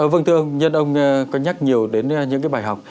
vâng thưa ông nhân ông có nhắc nhiều đến những cái bài học